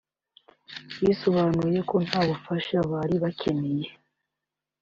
ibisobanuye ko nta bufasha bari bakeneye